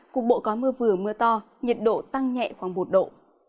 cục bộ có mưa vừa mưa to nhiệt độ tăng nhẹ khoảng một độ